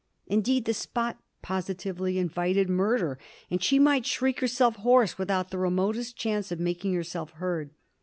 Indeed, the spot positively invited murder, and she might shriek herself hoarse without the remotest chance of making herself heard.